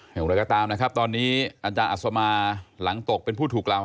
อย่างไรก็ตามนะครับตอนนี้อาจารย์อัศมาหลังตกเป็นผู้ถูกกล่าว